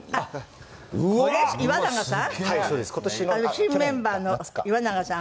新メンバーの岩永さん？